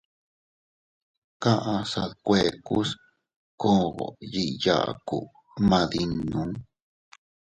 Kaʼsa dkuekus koo yiʼi yaaku gmadinnu.